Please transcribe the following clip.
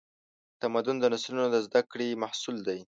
تمدن د نسلونو د زدهکړې محصول دی.